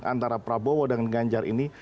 antara prabowo dengan ganjar ini